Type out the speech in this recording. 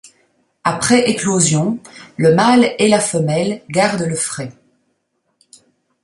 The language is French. Après éclosion le mâle et la femelle gardent le frai.